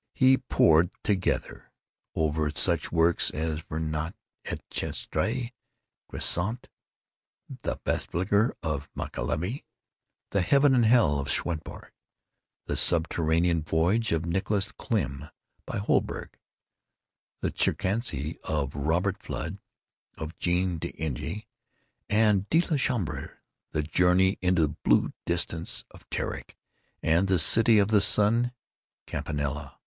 We pored together over such works as the Ververt et Chartreuse of Gresset; the Belphegor of Machiavelli; the Heaven and Hell of Swedenborg; the Subterranean Voyage of Nicholas Klimm by Holberg; the Chiromancy of Robert Flud, of Jean D'Indaginé, and of De la Chambre; the Journey into the Blue Distance of Tieck; and the City of the Sun of Campanella.